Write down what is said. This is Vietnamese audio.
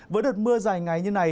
với đợt mưa dài ngày như này